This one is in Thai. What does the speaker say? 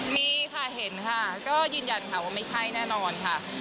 มีค่ะเห็นค่ะก็ยืนยันค่ะว่าไม่ใช่แน่นอนค่ะ